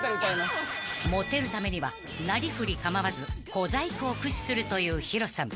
［モテるためにはなりふり構わず小細工を駆使するというＨｉｒｏさん］